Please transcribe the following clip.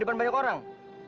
depan banyak orang